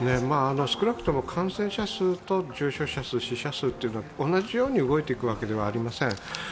少なくとも感染者数と重症者数、死者数というのは同じように動いていくわけではありません。